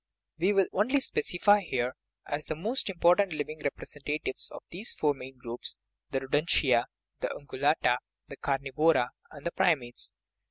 We will only specify here, as the most important living representatives of these four main groups, the rodentia, the ungulata, the carnivora, and the primates.